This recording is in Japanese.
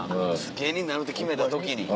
芸人になるって決めた時に。